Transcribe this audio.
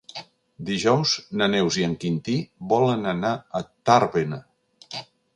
Dijous na Neus i en Quintí volen anar a Tàrbena.